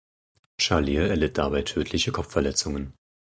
Charlier erlitt dabei tödliche Kopfverletzungen.